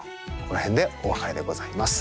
この辺でお別れでございます。